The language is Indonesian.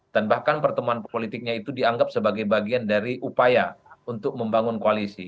dan bahkan pertemuan politiknya itu dianggap sebagai bagian dari upaya untuk membangun koalisi